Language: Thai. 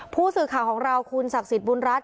ผู้สื่อข่าวของเราคุณศักดิ์สิทธิบุญรัฐ